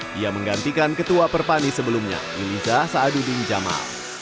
dia menggantikan ketua perpani sebelumnya miliza saadudin jamal